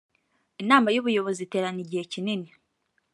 inama y ubuyobozi iterana igihe kinini